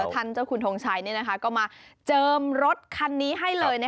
ท่านเจ้าคุณทงชัยก็มาเจิมรถคันนี้ให้เลย